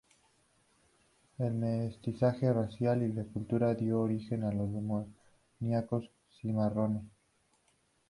El mestizaje racial y cultural dio origen a los denominados cimarrones.